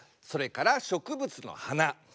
それから植物の「はな」。